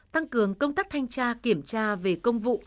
tăng cường công tác thanh tra kiểm tra về công vụ